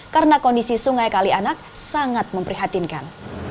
karena kondisi sungai kalianak sangat memprihatinkan